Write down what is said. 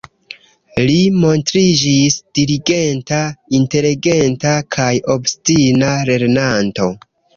Li montriĝis diligenta, inteligenta kaj obstina lernanto.